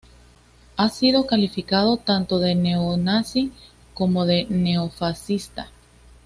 Ha sido calificado tanto de neonazi como de neofascista.